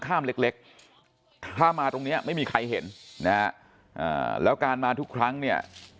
เล็กเล็กถ้ามาตรงเนี้ยไม่มีใครเห็นนะฮะแล้วการมาทุกครั้งเนี่ย